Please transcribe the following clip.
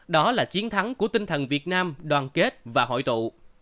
đó là chiến thắng của tinh thần việt nam đoàn kết và hội tụ